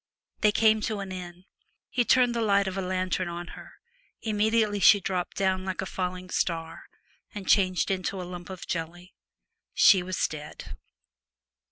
They came to an inn. He turned the light of a lantern on her ; immediately she dropped down like a falling star, and changed into a lump of jelly. She was dead.